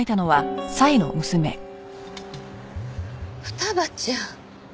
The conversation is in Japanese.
二葉ちゃん。